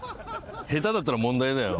下手だったら問題だよ。